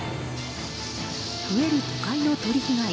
増える都会の鳥被害。